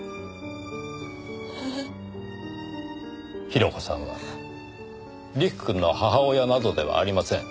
広子さんは陸くんの母親などではありません。